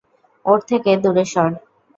ওর থেকে দূরে সর!